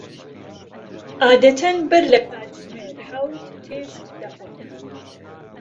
عادەتەن بەر لە کاتژمێر حەوت تێشت دەخۆن؟